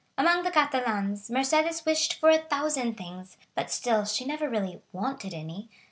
Amongst the Catalans, Mercédès wished for a thousand things, but still she never really wanted any.